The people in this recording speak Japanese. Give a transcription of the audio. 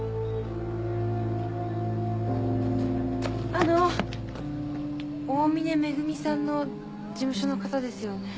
あの大峰恵さんの事務所の方ですよね？